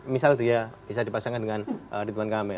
misal dia bisa dipasangkan dengan ridwan kamil